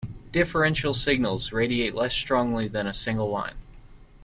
Differential signals radiate less strongly than a single line.